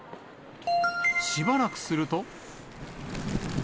しばらくすると。